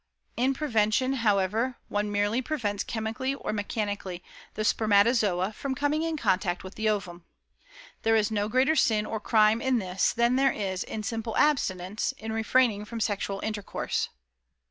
In prevention, however, one merely prevents chemically or mechanically the spermatozoa from coming in contact with the ovum. There is no greater sin or crime in this than there is in simple abstinence, in refraining from sexual intercourse."